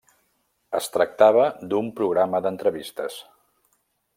Es tractava d'un programa d'entrevistes.